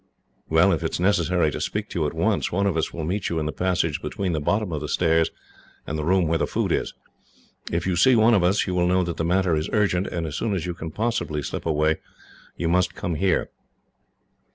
"Well, if it is necessary to speak to you at once, one of us will meet you in the passage between the bottom of the stairs and the room where the food is. If you see one of us, you will know that the matter is urgent, and as soon as you can possibly slip away, you must come here.